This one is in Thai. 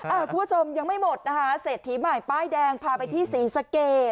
คุณผู้ชมยังไม่หมดนะคะเศรษฐีใหม่ป้ายแดงพาไปที่ศรีสะเกด